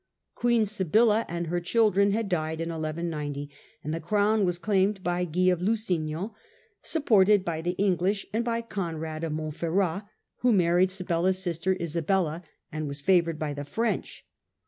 Queen Sibylla and her children had died in 1190, and the crown was claimed by Guy of Lusignan, supported by the English, and by Conrad of Montferrat, who married Sibylla's sister Isabella, and was favoured by the French.